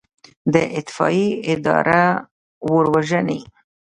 د اطفائیې اداره اور وژني